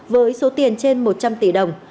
với số tiền trên một trăm linh tỷ đồng